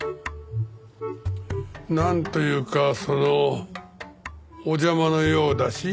なんというかそのお邪魔のようだし。